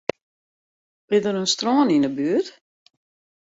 Is der in strân yn 'e buert?